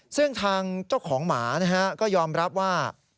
ซึ่งทางเจ้าของหมาก็ยอมรับว่า